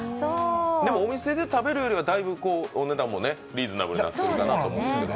お店で食べるよりはだいぶお値段もリーズナブルになってるかなと思いますけど。